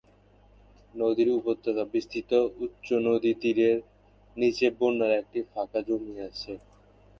নদী উপত্যকা বিস্তৃত, উচ্চ নদী তীরের নিচে বন্যার একটি ফাঁকা জমি আছে।